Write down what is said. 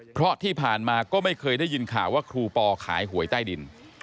เพราะที่ผ่านมาก็ไม่เคยได้ยินข่าวว่าครูปอขายหวยใต้ดิน